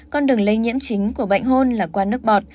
con đường lây nhiễm chính của bệnh hôn là qua nước bọt